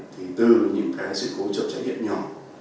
thì từ những cái sự cố chậm trái nghiệp nhỏ